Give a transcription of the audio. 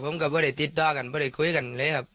ผมก็ไม่ได้ติดต่อกันไม่ได้คุยกันเลยครับ